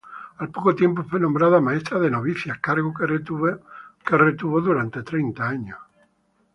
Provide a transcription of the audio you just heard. Al poco tiempo fue nombrada maestra de novicias, cargo que retuvo durante treinta años.